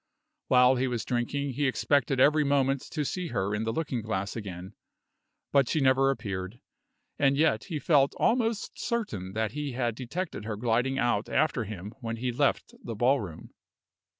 While he was drinking he expected every moment to see her in the looking glass again; but she never appeared and yet he felt almost certain that he had detected her gliding out after him when he left the ballroom.